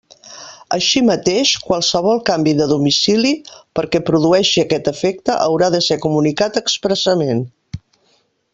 Així mateix, qualsevol canvi de domicili, perquè produeixi aquest efecte, haurà de ser comunicat expressament.